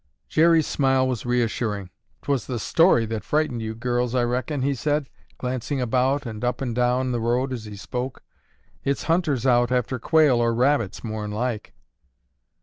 Jerry's smile was reassuring. "'Twas the story that frightened you girls, I reckon," he said, glancing about and up and down the road as he spoke. "It's hunters out after quail or rabbits, more'n like."